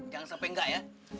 jangan sampai enggak ya